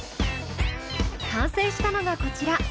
完成したのがこちら。